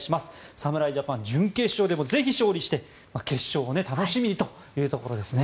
侍ジャパン、準決勝でもぜひ勝利して決勝も楽しみにということですね。